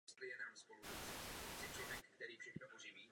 Návrh rozpočtu Rady zdůraznil také další otázky.